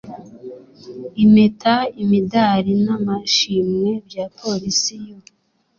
impeta imidari n amashimwe bya polisi y u